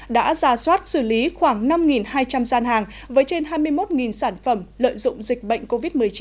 đã ra soát xử lý khoảng năm hai trăm linh gian hàng với trên hai mươi một sản phẩm lợi dụng dịch bệnh covid một mươi chín